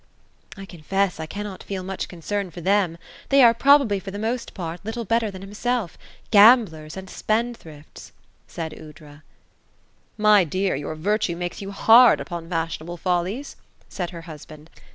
I confess I cannot feel much concern for them ; they are probably, for the most part, little better than himself, — ^gamblers, and spendthrifts ;" said Aoudra. My dear, your virtue makes you hard upon fashionable follies;" said her husband.